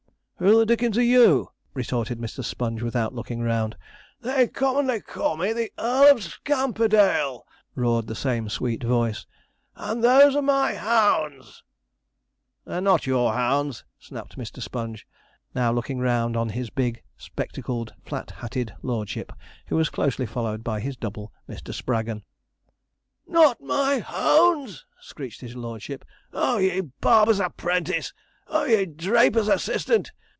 'Who the Dickens are you?' retorted Mr. Sponge, without looking round. 'They commonly call me the EARL OF SCAMPERDALE,' roared the same sweet voice, 'and those are my hounds.' 'They're not your hounds!' snapped Mr. Sponge, now looking round on his big spectacled, flat hatted lordship, who was closely followed by his double, Mr. Spraggon. 'Not my hounds!' screeched his lordship. 'Oh, ye barber's apprentice! Oh, ye draper's assistant!